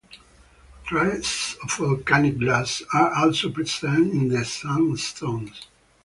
Traces of volcanic glass are also present in the sandstones.